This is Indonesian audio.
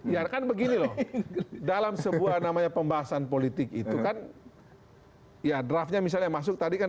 ya kan begini loh dalam sebuah namanya pembahasan politik itu kan ya draftnya misalnya masuk tadi kan